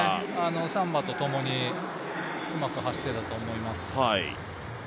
サンバとともにうまく走っていたと思います。